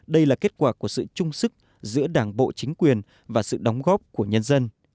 đây là kết quả của sự trung sức giữa đảng bộ chính quyền và sự đóng góp của nhân dân